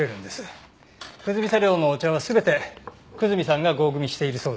久住茶寮のお茶は全て久住さんが合組しているそうです。